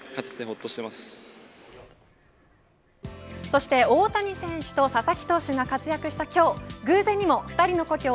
そして大谷選手と佐々木投手が活躍した今日偶然にも２人の故郷